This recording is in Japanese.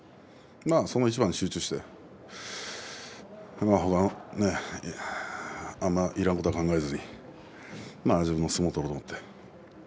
その一番に集中してあまりいらんことは考えずに自分の相撲を取ろうと思って。